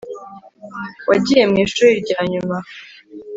wagiye mwishuri ryanyuma